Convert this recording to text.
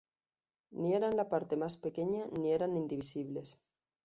Ni eran la parte más pequeña ni eran indivisibles.